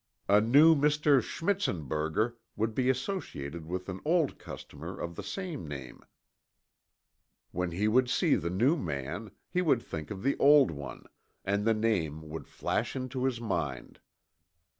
A new Mr. Schmidtzenberger would be associated with an old customer of the same name when he would see the new man, he would think of the old one, and the name would flash into his mind.